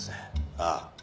ああ。